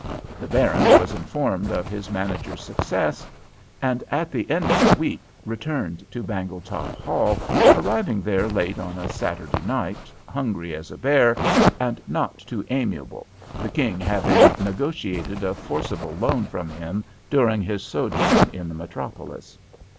The baron was informed of his manager's success, and at the end of a week returned to Bangletop Hall, arriving there late on a Saturday night, hungry as a bear, and not too amiable, the king having negotiated a forcible loan with him during his sojourn in the metropolis.